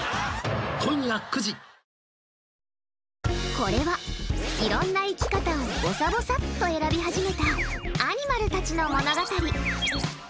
これは、いろんな生き方をぼさぼさっと選び始めたアニマルたちの物語。